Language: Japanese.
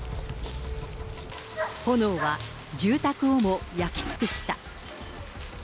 炎は、住宅をも焼き尽くした。